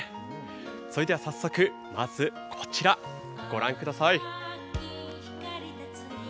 それでは早速、こちらご覧ください